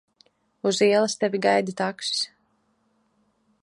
Uz ielas tevi gaida taksis.